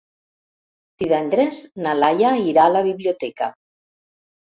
Divendres na Laia irà a la biblioteca.